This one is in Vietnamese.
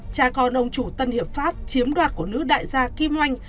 cha con ông chủ tân hiệp pháp chiếm đoạt của nữ đại gia kim oanh